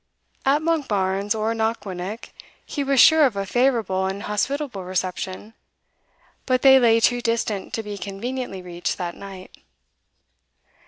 At Monkbarns or Knockwinnock he was sure of a favourable and hospitable reception; but they lay too distant to be conveniently reached that night.